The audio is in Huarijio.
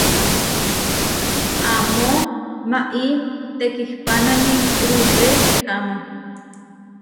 Amó maʼí tekihpánani rupeháma.